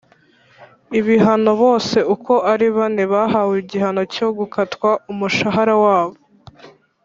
ibihano bose uko ari bane bahawe igihano cyo gukatwa umushahara wabo